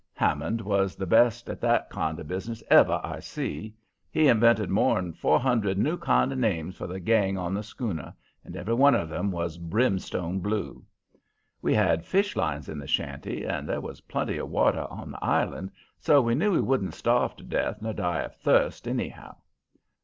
Hammond was the best at that kind of business ever I see. He invented more'n four hundred new kind of names for the gang on the schooner, and every one of 'em was brimstone blue. We had fish lines in the shanty, and there was plenty of water on the island, so we knew we wouldn't starve to death nor die of thirst, anyhow.